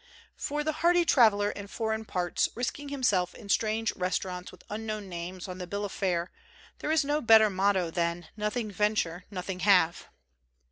For the hardy traveler in foreign parts, risking himself in strange restaurants with unknown names on the bill of fare, there is no better motto than "nothing venture, nothing have."